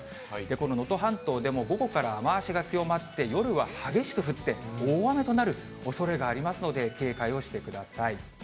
この能登半島でも午後から雨足が強まって、夜は激しく降って、大雨となるおそれがありますので、警戒をしてください。